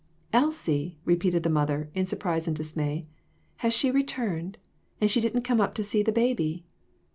" Elsie !" repeated the mother in surprise and dismay; "has she returned? And she didn't come up to see the baby